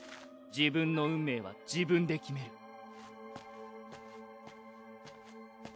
自分の運命は自分で決める。